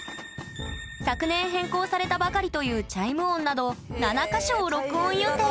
昨年変更されたばかりというチャイム音など７か所を録音予定